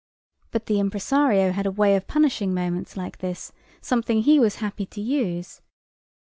But the impresario had a way of punishing moments like this, something he was happy to use.